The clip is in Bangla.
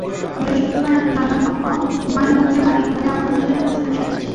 বৃহস্পতিবার রাতে জয়নাল পক্ষ হুমায়ুন পক্ষের বাড়ি ঘরে আবুল বাসারের পোস্টার সাটাচ্ছিল।